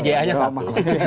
deni ga nya satu